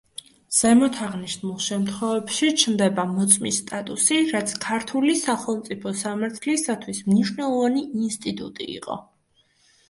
ზემოთაღნიშნულ შემთხვევებში ჩნდება „მოწმის სტატუსი“, რაც ქართული სახელმწიფო სამართლისათვის მნიშვნელოვანი ინსტიტუტი იყო.